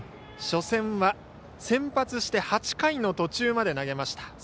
初戦は先発して８回の途中まで投げました。